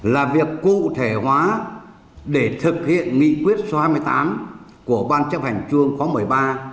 là việc cụ thể hóa để thực hiện nghị quyết số hai mươi tám của ban chấp hành chuông khóa một mươi ba